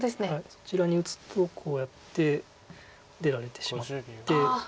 そちらに打つとこうやって出られてしまって。